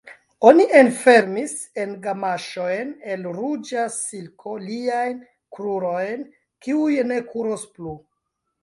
Oni enfermis en gamaŝojn el ruĝa silko liajn krurojn, kiuj ne kuros plu.